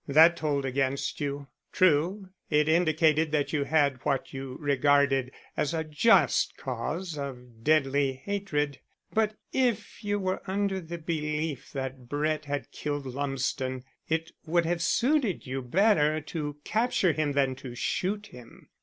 That told against you. True, it indicated that you had what you regarded as a just cause of deadly hatred. But if you were under the belief that Brett had killed Lumsden it would have suited you better to capture him than to shoot him.